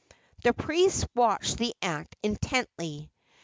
The priest watched the act intently.